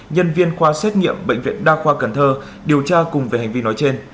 nhân viên khoa xét nghiệm bệnh viện đa khoa cần thơ điều tra cùng về hành vi nói trên